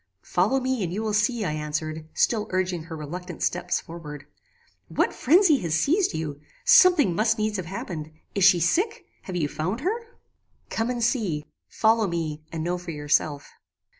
"Follow me, and you will see," I answered, still urging her reluctant steps forward. "What phrenzy has seized you? Something must needs have happened. Is she sick? Have you found her?" "Come and see. Follow me, and know for yourself."